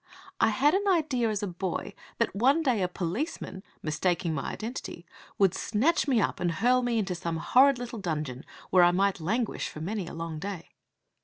I had an idea as a boy that one day a policeman, mistaking my identity, would snatch me up and hurl me into some horrid little dungeon, where I might languish for many a long day.